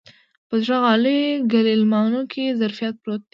په زړو غاليو ګيلمانو کې ظرافت پروت و.